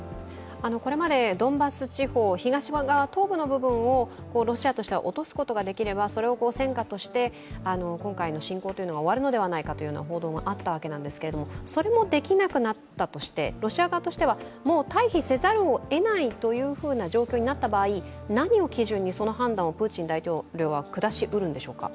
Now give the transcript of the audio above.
これまでドンバス地方、東部をロシアとして落とすことができればそれを戦果として今回の侵攻が終わるのではないかという報道があったんですけれども、それもできなくなったとしてロシア側としてはもう退避せざるをえないという状況になった場合、何を基準にその判断をプーチン大統領は下しうるんでしょうか？